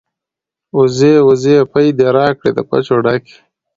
ـ وزې وزې پۍ دې راکړې د پچو ډکې.